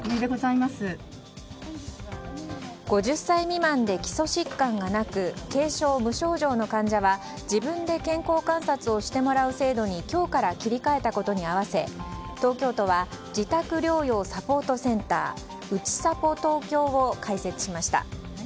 ５０歳未満で基礎疾患がなく軽症・無症状の患者は、自分で健康観察をしてもらう制度に今日から切り替えたことに合わせ東京都は自宅療養サポートセンターうちさぽ東京を開設しました。